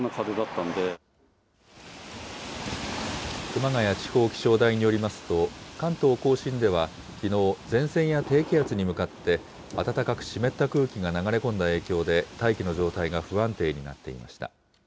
熊谷地方気象台によりますと、関東甲信ではきのう、前線や低気圧に向かって暖かく湿った空気が流れ込んだ影響で、大気の状態が不安定になっていました。